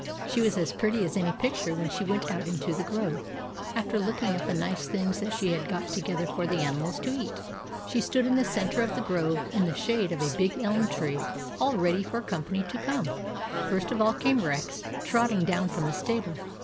She was as pretty as any picture when she went out into the grove, after looking at the nice things that she had got together for the animals to eat. She stood in the centre of the grove, in the shade of a big elm tree, all ready for her company to come. First of all came Rex, trotting down from the stable.